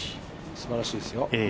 すばらしいですよ